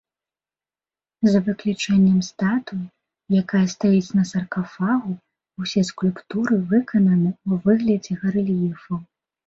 За выключэннем статуі, якая стаіць на саркафагу, усе скульптуры выкананы ў выглядзе гарэльефаў.